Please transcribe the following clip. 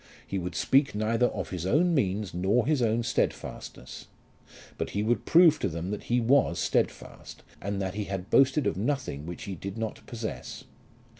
He would speak neither of his own means nor his own stedfastness. But he would prove to them that he was stedfast, and that he had boasted of nothing which he did not possess.